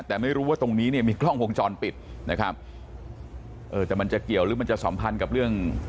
แต่ไม่รู้ว่าตรงนี้เนี่ยมีกล้องวงจรปิดนะครับเออแต่มันจะเกี่ยวหรือมันจะสัมพันธ์กับเรื่อง